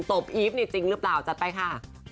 บอกอีฟนี่จริงหรือเปล่าจัดไปค่ะ